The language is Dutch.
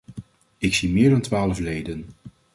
Ik zie meer dan twaalf leden.